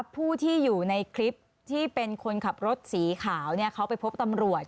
ผู้ที่อยู่ในคลิปที่เป็นคนขับรถสีขาวเขาไปพบตำรวจ